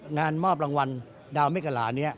งานมอบรางวัลดาวแม่กระหลา